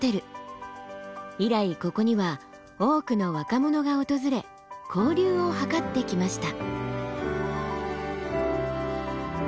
以来ここには多くの若者が訪れ交流を図ってきました。